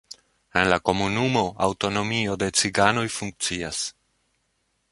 En la komunumo aŭtonomio de ciganoj funkcias.